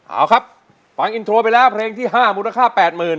เอาครับฟังอินโทรไปแล้วเพลงที่๕มูลค่า๘๐๐๐